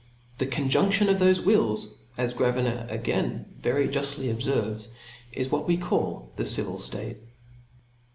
7he conjunction of thofe wills^ as Gravina again very juftly obferves, is what we call the civil state.